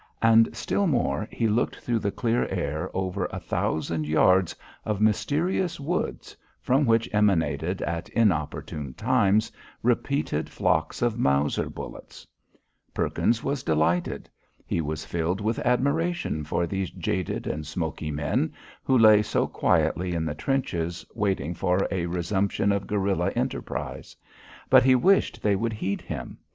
And still more, he looked through the clear air over 1,000 yards of mysterious woods from which emanated at inopportune times repeated flocks of Mauser bullets. Perkins was delighted. He was filled with admiration for these jaded and smoky men who lay so quietly in the trenches waiting for a resumption of guerilla enterprise. But he wished they would heed him.